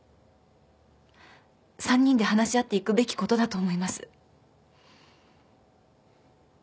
３人で話し合っていくべきことだと思います。